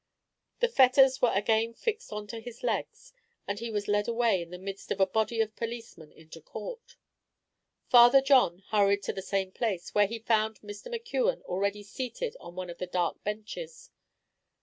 The fetters were again fixed on to his legs, and he was led away in the midst of a body of policemen into court. Father John hurried to the same place, where he found Mr. McKeon already seated on one of the dark benches.